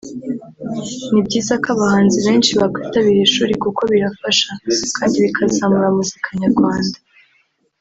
“Ni byiza ko abahanzi benshi bakwitabira ishuri kuko birafasha kandi bikazamura muzika nyarwanda